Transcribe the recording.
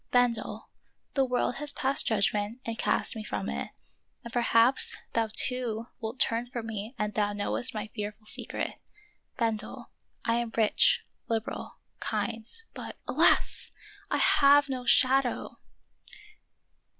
Bendel, the world has passed judgment and cast me from it, and perhaps thou too wilt turn from me when thou knowest my fearful secret. Bendel, I am rich, liberal, kind, but — alas! — I have no shadow!"